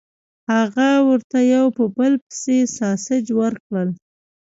هغه ورته یو په بل پسې ساسج ورکړل